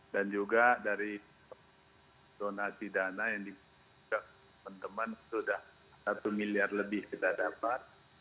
dan juga dari donasi dana yang diberikan kepada teman teman sudah satu miliar lebih kita dapat